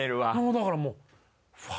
だからもう。